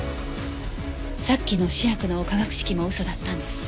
さっきの試薬の化学式も嘘だったんです。